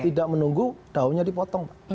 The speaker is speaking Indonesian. tidak menunggu daunnya dipotong